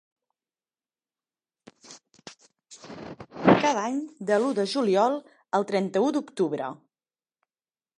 Cada any, de l'u de juliol al trenta-u d'octubre.